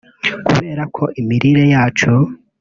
Kubera ko imirire yacu